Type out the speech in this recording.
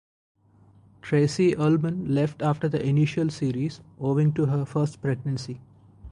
Tracey Ullman left after the initial series owing to her first pregnancy.